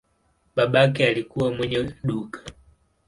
Babake alikuwa mwenye duka.